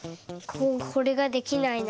これができないな。